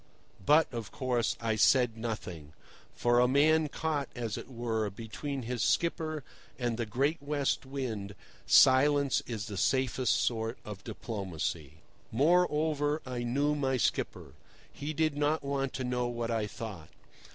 But, of course, I said nothing. For a man caught, as it were, between his skipper and the great West Wind silence is the safest sort of diplomacy. Moreover, I knew my skipper. He did not want to know what I thought.